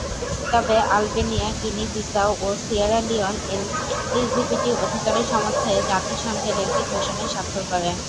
তবে, Albania, Guinea Bissau ও Sierra Leone LGBT অধিকারের সমর্থনে জাতিসংঘের একটি ঘোষণায় স্বাক্ষর করে।